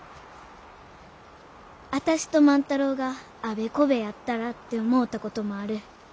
あたしと万太郎があべこべやったらって思うたこともある。